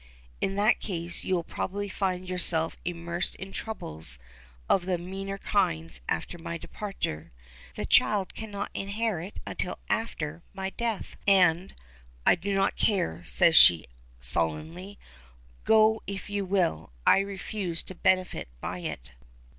"In that case you will probably find yourself immersed in troubles of the meaner kinds after my departure. The child cannot inherit until after my death and " "I don't care," says she, sullenly. "Go, if you will. I refuse to benefit by it."